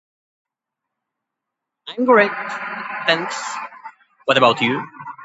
I'm great, thanks. What about you?